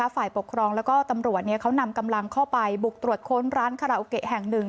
ฝ่ายปกครองแล้วก็ตำรวจเขานำกำลังเข้าไปบุกตรวจค้นร้านคาราโอเกะแห่งหนึ่ง